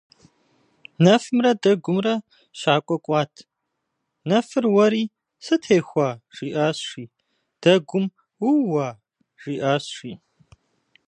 Нэфымрэ дэгумрэ щакӏуэ кӏуат. Нэфыр уэри: «сытехуа?» жиӏащ, жи. Дэгум: «ууа?» жиӏащ, жи.